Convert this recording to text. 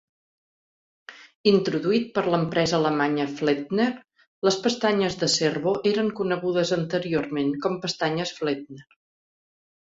Introduït per l'empresa alemanya Flettner, les pestanyes de servo eren conegudes anteriorment com pestanyes Flettner.